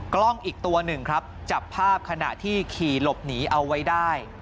กล้องอีกตัวหนึ่งครับจับภาพขณะที่ขี่หลบหนีเอาไว้ได้